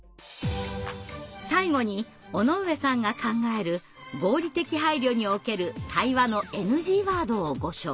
最後に尾上さんが考える合理的配慮における対話のＮＧワードをご紹介。